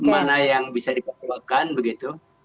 kemana yang bisa dipatuakan begitu